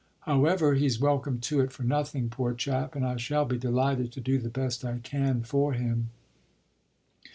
"However, he's welcome to it for nothing, poor chap, and I shall be delighted to do the best I can for him."